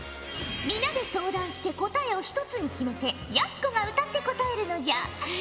皆で相談して答えを１つに決めてやす子が歌って答えるのじゃ。え！？